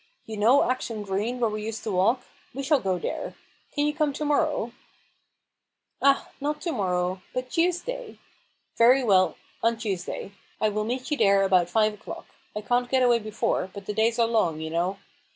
" You know Acton Green where we used to walk ; we shall go there. Can you come to morrow ?"" Ah ! not to morrow. But Tuesday —"" Very well ! on Tuesday. I will meet you there about five o'clock; I can't get away before, but the days are long, you know.